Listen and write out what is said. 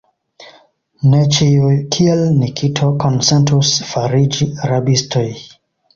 Ne ĉiuj, kiel Nikito, konsentus fariĝi rabistoj!